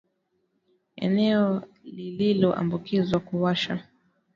Eneo lililoambukizwa huwasha